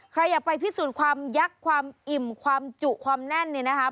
ใครอยากไปพิสูจน์ความยักษ์ความอิ่มความจุความแน่นเนี่ยนะคะ